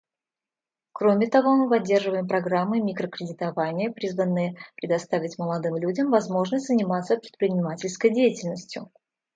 Кроме того, мы поддерживаем программы микрокредитования, призванные предоставить молодым людям возможность заниматься предпринимательской деятельностью.